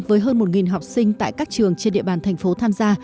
với hơn một học sinh tại các trường trên địa bàn thành phố tham gia